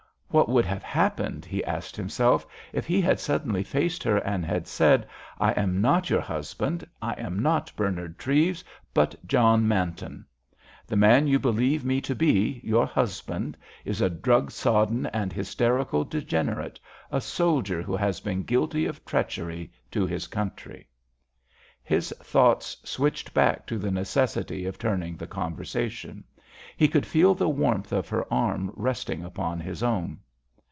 What would have happened, he asked himself, if he had suddenly faced her and had said: "I am not your husband, I am not Bernard Treves—but John Manton? The man you believe me to be—your husband—is a drug sodden and hysterical degenerate, a soldier who has been guilty of treachery to his country." His thoughts switched back to the necessity of turning the conversation. He could feel the warmth of her arm resting upon his own.